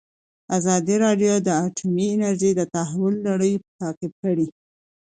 ازادي راډیو د اټومي انرژي د تحول لړۍ تعقیب کړې.